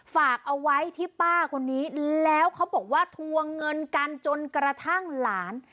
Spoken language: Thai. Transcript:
ฝากเอาไว้ที่ป้าคนนี้แล้วเขาบอกว่าทวงเงินกันจนกระทั่งหลาน